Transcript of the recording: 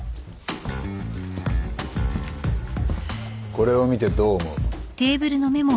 これを見てどう思う？